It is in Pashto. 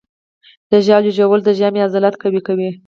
د ژاولې ژوول د ژامې عضلات قوي کوي.